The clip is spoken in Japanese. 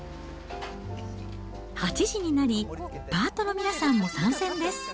８時になり、パートの皆さんも参戦です。